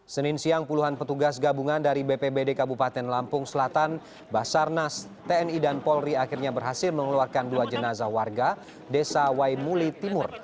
senin siang puluhan petugas gabungan dari bpbd kabupaten lampung selatan basarnas tni dan polri akhirnya berhasil mengeluarkan dua jenazah warga desa waimuli timur